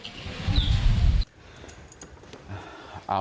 ไม่พูด